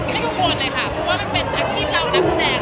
กังวลเลยค่ะเพราะว่ามันเป็นอาชีพเรานักแสดง